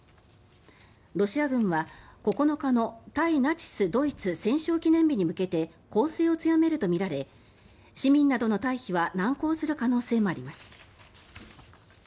ロシア軍は９日の対ナチス・ドイツ戦勝記念日に向けて攻勢を強めるとみられ市民などの退避は難航する可能性もあります。